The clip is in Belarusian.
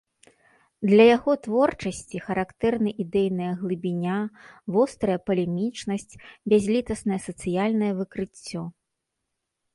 Для яго творчасці характэрны ідэйная глыбіня, вострая палемічнасць, бязлітаснае сацыяльнае выкрыццё.